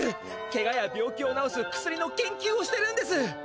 けがや病気をなおす薬の研究をしてるんです！